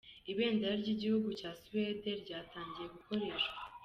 Ibendera ry’igihugu cya Suwede ryatangiye gukoreshwa.